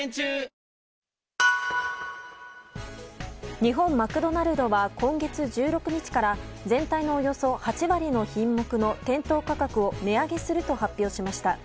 日本マクドナルドは今月１６日から全体のおよそ８割の品目の店頭価格を値上げすると発表しました。